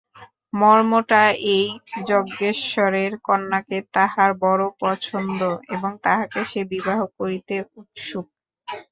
মর্মটা এই, যজ্ঞেশ্বরের কন্যাকে তাহার বড়ো পছন্দ এবং তাহাকে সে বিবাহ করিতে উৎসুক।